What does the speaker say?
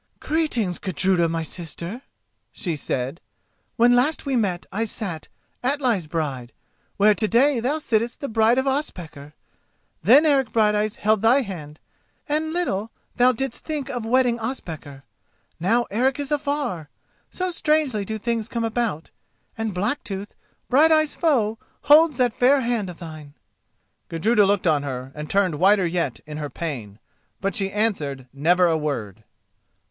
"Greeting, Gudruda, my sister!" she said. "When last we met I sat, Atli's bride, where to day thou sittest the bride of Ospakar. Then Eric Brighteyes held thy hand, and little thou didst think of wedding Ospakar. Now Eric is afar—so strangely do things come about—and Blacktooth, Brighteyes' foe, holds that fair hand of thine." Gudruda looked on her and turned whiter yet in her pain, but she answered never a word.